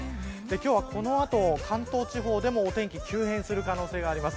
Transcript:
今日はこの後、関東地方でもお天気、急変する可能性があります。